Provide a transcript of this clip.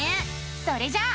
それじゃあ。